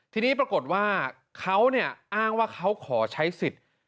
ทีนี้ปรากฏว่าเขาอ้างว่าเขาขอใช้ศิษษฐ์